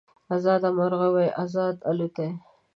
ازاد مرغه وای ازاد الوتای